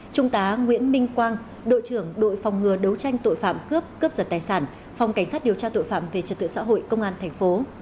trung tá nguyễn minh quang đội trưởng đội phòng ngừa đấu tranh tội phạm cướp cướp giật tài sản phòng cảnh sát điều tra tội phạm về trật tự xã hội công an thành phố